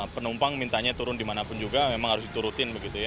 penumpang mintanya turun dimanapun juga memang harus diturutin